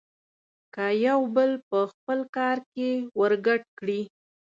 که يو بل په خپل کار کې ورګډ کړي.